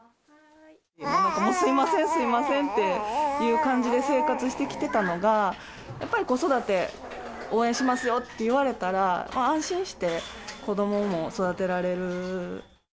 すみません、すみませんっていう感じで生活してきてたのが、やっぱり子育て応援しますよって言われたら、安心して子どもも育てられる。